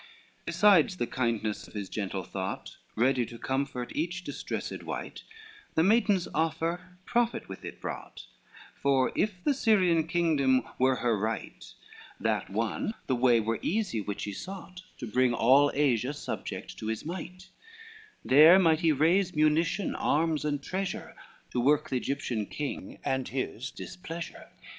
LXVI Besides the kindness of his gentle thought, Ready to comfort each distressed wight, The maiden's offer profit with it brought; For if the Syrian kingdom were her right, That won, the way were easy, which he sought, To bring all Asia subject to his might: There might he raise munition, arms and treasure To work the Egyptian king and his displeasure.